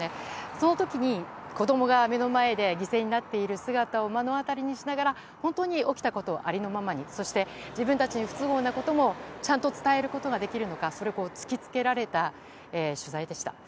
その時に子供が目の前で犠牲になっている姿を目の当たりにしながら本当に起きたことをありのままにそして自分たちに不都合なことも伝えることができるのか、それを突きつけられた取材でした。